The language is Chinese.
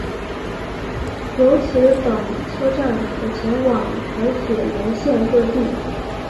由此等车站可前往台铁沿线各地。